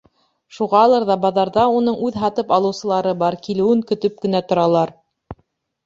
Шуғалыр ҙа баҙарҙа уның үҙ һатып алыусылары бар, килеүен көтөп кенә торалар.